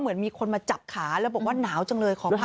เหมือนมีคนมาจับขาแล้วบอกว่าหนาวจังเลยขออภัย